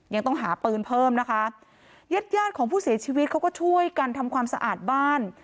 ยังต้องหาปืนเพิ่มนะคะญาติญาติของผู้เสียชีวิตเขาก็ช่วยกันทำความสะอาดบ้าน